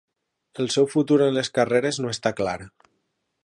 El seu futur en les carreres no està clar.